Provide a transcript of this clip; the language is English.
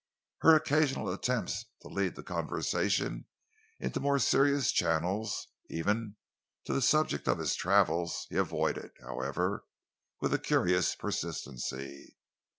Her occasional attempts to lead the conversation into more serious channels, even to the subject of his travels, he avoided, however, with a curious persistency.